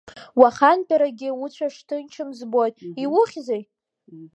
Уахантәаракгьы уцәа шҭынчым збоит, иухьзеи?